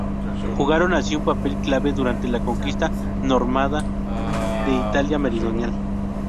Jugaron así un papel clave durante la conquista normanda de Italia Meridional.